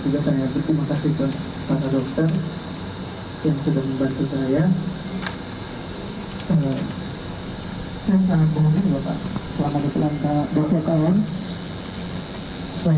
dan juga saya berterima kasih kepada dokter yang sudah membantu saya